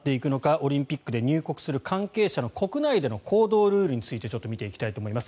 オリンピックで入国する関係者の国内での行動ルールについて見ていきたいと思います。